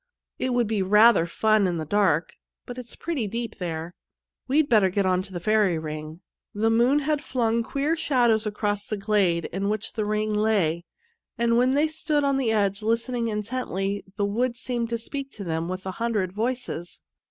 It would be rather fun in the dark, but it's pretty deep there. We'd better get on to the fairy ring." The moon had flung queer shadows across the glade in which the ring lay, and when they stood on the edge listening intently the wood seemed to speak to them with a hundred voices.